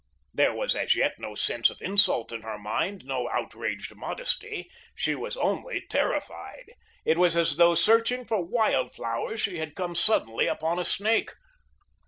There was as yet no sense of insult in her mind, no outraged modesty. She was only terrified. It was as though searching for wild flowers she had come suddenly upon a snake.